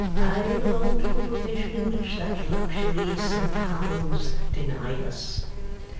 I belong to a profession in which that luxury is sometimes denied us.